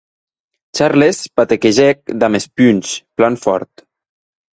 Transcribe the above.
Charles pataquegèc damb es punhs, plan fòrt.